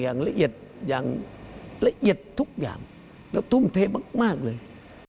อย่างละเอียดทุกอย่างและทุ่มเทมากเลย